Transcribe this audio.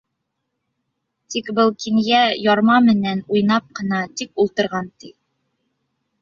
Тик был кинйә ярма менән уйнап ҡына тик ултырған, ти.